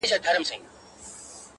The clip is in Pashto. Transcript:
د لنډیو ږغ به پورته د باغوان سي؛